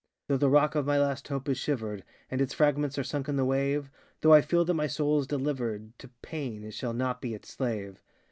_ Though the rock of my last hope is shivered, And its fragments are sunk in the wave, Though I feel that my soul is delivered To painŌĆöit shall not be its slave.